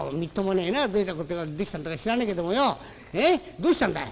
どうしたんだい？」。